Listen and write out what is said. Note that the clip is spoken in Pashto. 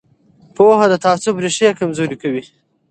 پوهه د تعصب ریښې کمزورې کوي